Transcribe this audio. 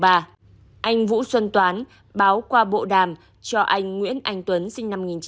anh vũ xuân toán báo qua bộ đàm cho anh nguyễn anh tuấn sinh năm một nghìn chín trăm tám mươi